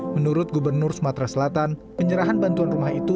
menurut gubernur sumatera selatan penyerahan bantuan rumah itu